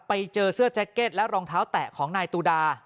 ไปเจอเสื้อแจ็คเก็ตและรองเท้าแตะของนายตูดา